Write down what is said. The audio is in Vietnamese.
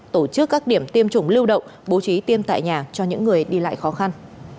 tổ chức các điểm tiêm chủng lưu động bố trí tiêm tại nhà cho những người đi lại khó khăn